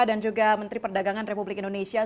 dan juga menteri perdagangan republik indonesia